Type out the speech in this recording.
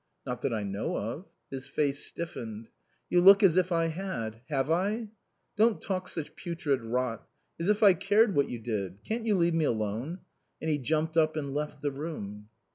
"Not that I know of." His face stiffened. "You look as if I had. Have I?" "Don't talk such putrid rot. As if I cared what you did. Can't you leave me alone?" And he jumped up and left the room.